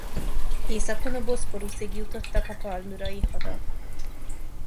Északon a Boszporuszig jutottak a palmürai hadak.